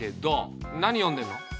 何読んでんの？